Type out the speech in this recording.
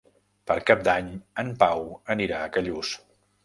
Per Cap d'Any en Pau anirà a Callús.